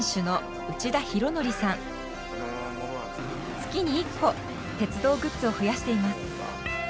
月に１個鉄道グッズを増やしています。